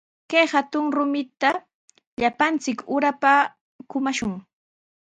Kay hatun rumita llapanchik urapa kumashun.